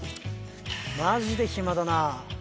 マジで暇だな。